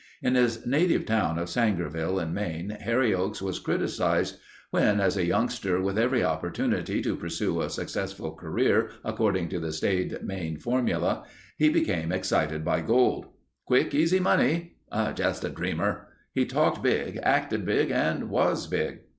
In his native town of Sangerville in Maine, Harry Oakes was criticized when, as a youngster with every opportunity to pursue a successful career according to the staid Maine formula, he became excited by gold. "Quick easy money." "Just a dreamer." He talked big, acted big, and was big.